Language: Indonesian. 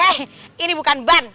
hei ini bukan ban